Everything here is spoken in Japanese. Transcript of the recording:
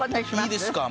いいですか？